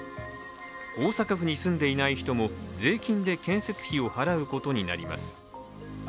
大阪府に住んでいない人も税金で建設費を払うことになります。